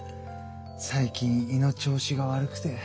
最近胃の調子が悪くて。